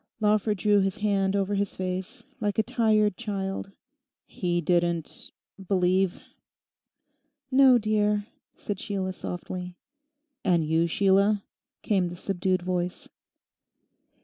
Lawford drew his hand over his face, like a tired child. 'He didn't—believe?' 'No, dear,' said Sheila softly. 'And you, Sheila?' came the subdued voice.